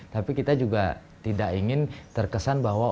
tapi kita juga tidak ingin terkesan bahwa